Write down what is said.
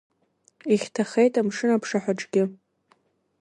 Ихьҭахеит амшын аԥшаҳәаҿгьы.